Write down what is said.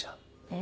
え？